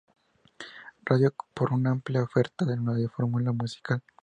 Radio por una amplia oferta de radiofórmula musical.